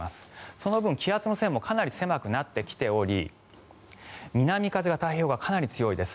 その分、気圧の線もかなり狭くなってきており南風が太平洋側、かなり強いです。